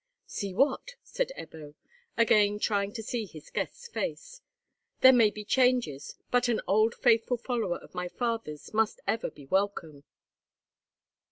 "See what?" said Ebbo, again trying to see his guest's face. "There may be changes, but an old faithful follower of my father's must ever be welcome."